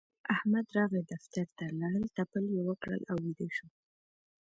احمد راغی دفتر ته؛ لړل تپل يې وکړل او ويده شو.